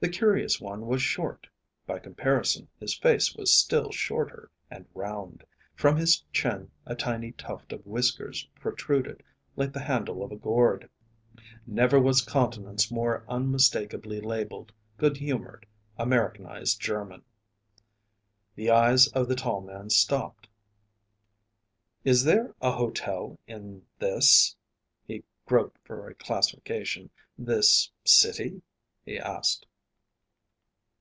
The curious one was short; by comparison his face was still shorter, and round. From his chin a tiny tuft of whiskers protruded, like the handle of a gourd. Never was countenance more unmistakably labelled good humored, Americanized German. The eyes of the tall man stopped. "Is there a hotel in this" he groped for a classification "this city?" he asked.